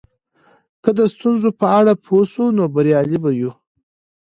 که د ستونزو په اړه پوه سو نو بریالي به یو.